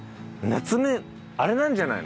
棗あれなんじゃないの？